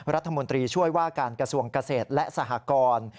รัฐมนตรีช่วยว่าการกระทรวงเกษตรและสหกร